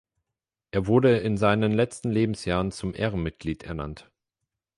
Er wurde in seinen letzten Lebensjahren zum Ehrenmitglied ernannt.